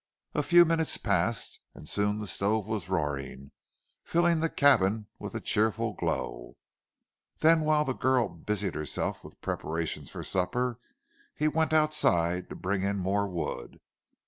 A few minutes passed, and soon the stove was roaring, filling the cabin with a cheerful glow. Then whilst the girl busied herself with preparations for supper, he went outside to bring in more wood.